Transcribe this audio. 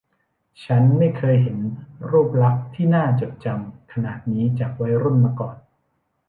ฉันไม่เคยเห็นรูปลักษณ์ที่น่าจดจำขนาดนี้จากวัยรุ่นมาก่อน